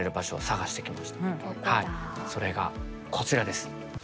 それがこちらです。